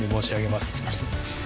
ありがとうございます。